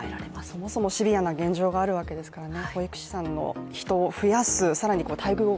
そもそもシビアな現状があるわけですからね。